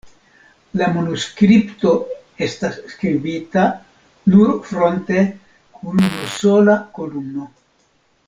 La manuskripto estas skribita nur fronte kun unusola kolumno.